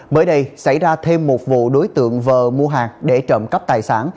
mới đây xảy ra thêm một vụ đối tượng vờ mua hàng để trộm cắp tài sản